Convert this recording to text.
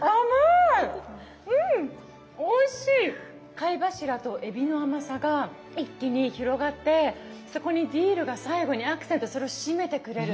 貝柱とえびの甘さが一気に広がってそこにディルが最後にアクセントそれを締めてくれる。